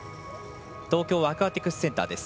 東京アクアティクスセンターです。